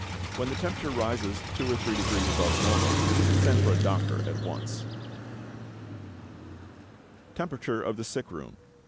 When the temperature rises two or three degrees above normal, send for a doctor at once. =Temperature of the Sick Room.